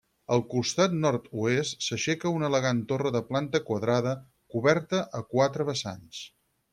Al costat nord-oest s'aixeca una elegant torre de planta quadrada, coberta a quatre vessants.